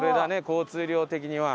交通量的には。